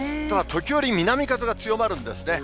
時折南風が強まるんですね。